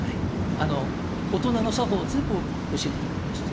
大人の作法を全部教えていただきました。